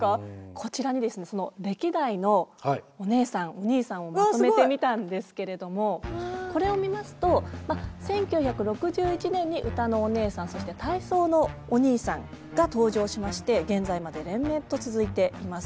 こちらにですねその歴代のお姉さんお兄さんをまとめてみたんですけれどもこれを見ますと１９６１年に歌のお姉さんそして体操のお兄さんが登場しまして現在まで連綿と続いています。